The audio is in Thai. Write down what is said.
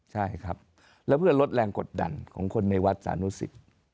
ใช่ครับแล้วเพื่อลดแรงกดดันของคนในวัดสานุสิต